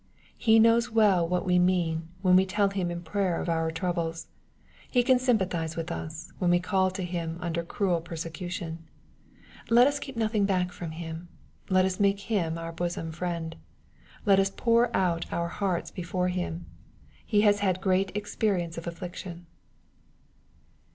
He knows well what we mean, when we tell Him in prayer of our troubles. He can sympathize with us, when we cry to Him under cruel persecution. Let us^eep nothing back from Him. Let us make Him our bosom friend. Let us pour out our hearts before Him. He has had great experience of affliction.